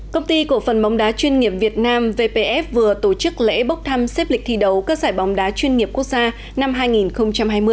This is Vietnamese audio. công ty cổ phần bóng đá chuyên nghiệp việt nam vpf vừa tổ chức lễ bốc thăm xếp lịch thi đấu các giải bóng đá chuyên nghiệp quốc gia năm hai nghìn hai mươi